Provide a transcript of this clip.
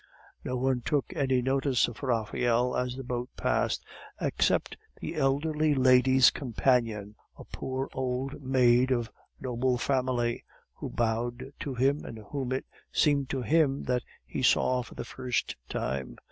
No one took any notice of Raphael as the boat passed, except the elderly lady's companion, a poor old maid of noble family, who bowed to him, and whom it seemed to him that he saw for the first time.